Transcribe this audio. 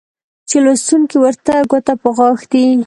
چې لوستونکى ورته ګوته په غاښ دى